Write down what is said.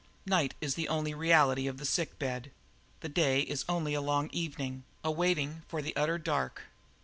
Night is the only reality of the sick bed; the day is only a long evening, a waiting for the utter dark.